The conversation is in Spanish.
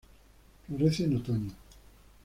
Florece en otoño.